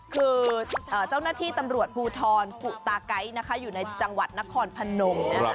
คือเจ้าหน้าที่ตำรวจภูทรกุตาไก๊นะคะอยู่ในจังหวัดนครพนมนะคะ